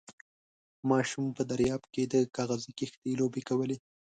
ماشوم په درياب کې د کاغذي کښتۍ لوبې کولې.